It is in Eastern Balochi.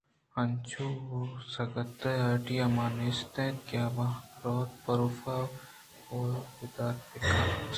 اِینچو زِکَتءُ ہاٹی ئے مان نیست اَت کہ بُہ رَئوتءُ پروت وَردءُ وَرَاکے درگیتک بِہ کنت